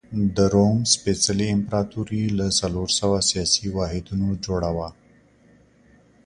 د روم سپېڅلې امپراتوري له څلور سوه سیاسي واحدونو جوړه وه.